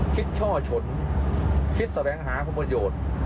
ช่อฉนคิดแสวงหาคุณประโยชน์